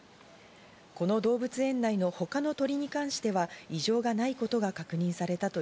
この動物園内の他の鳥に関しては、異常がないことが確認されたとい